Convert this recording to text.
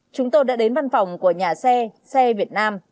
chúng tôi đã đến văn phòng của nhà xe xe việt nam